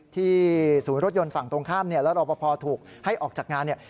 ที่ศูนย์รถยนต์ฝั่งตรงข้ามและรอปภถูกให้ออกจากงาน